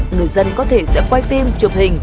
người dân có thể sẽ quay phim chụp hình